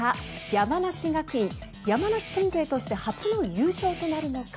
山梨学院、山梨県勢として初の優勝となるのか